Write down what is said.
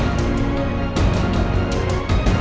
aku sih sekarang masih cukup buruk sekali